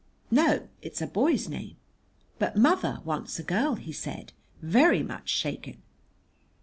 "No, it's a boy's name." "But mother wants a girl," he said, very much shaken.